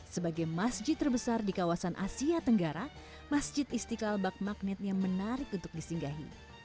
sebagai masjid terbesar di kawasan asia tenggara masjid istiqlal bak magnetnya menarik untuk disinggahi